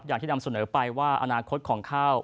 อย่างที่นำเสนอไปว่าอนาคตของข้าว